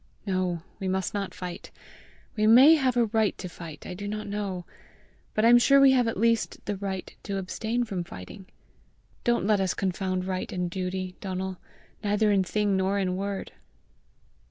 No, we must not fight. We may have a right to fight, I do not know; but I am sure we have at least the right to abstain from fighting. Don't let us confound right and duty, Donal neither in thing nor in word!"